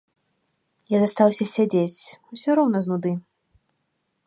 Я застаўся сядзець, усё роўна з нуды.